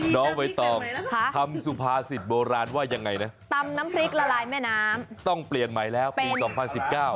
น้องไวตอมทำสุภาษิตโบราณว่าอย่างไรนะตำน้ำพริกละลายแม่น้ำต้องเปลี่ยนใหม่แล้วปี๒๐๑๙